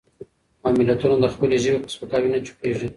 او ملتونه د خپلې ژبې په سپکاوي نه چوپېږي.